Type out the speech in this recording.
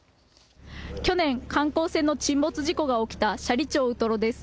去年、観光船の沈没事故が起きた斜里町ウトロです。